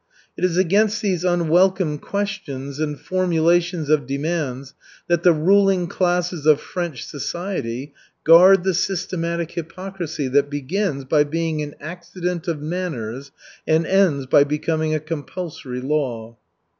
It is against these unwelcome questions and formulations of demands that the ruling classes of French society guard the systematic hypocrisy that begins by being an accident of manners and ends by becoming a compulsory law.